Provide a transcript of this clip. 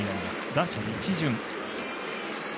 打者一巡。